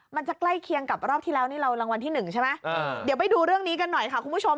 มันจะใกล้เคียงกับรอบที่แล้วนี่เรารางวัลที่หนึ่งใช่ไหมเดี๋ยวไปดูเรื่องนี้กันหน่อยค่ะคุณผู้ชม